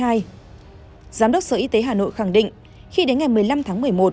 giám đốc sở y tế hà nội khẳng định khi đến ngày một mươi năm tháng một mươi một